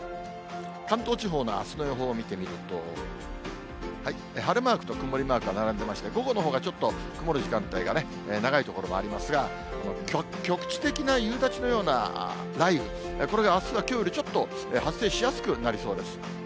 関東地方のあすの予報を見てみると、晴れマークと曇りマークが並んでまして、午後のほうがちょっと曇る時間帯が長い所もありますが、局地的な夕立のような雷雨、これがあすはきょうよりちょっと発生しやすくなりそうです。